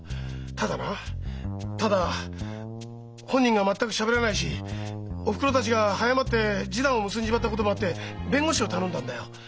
ただなただ本人が全くしゃべらないしおふくろたちが早まって示談を結んじまったこともあって弁護士を頼んだんだよ。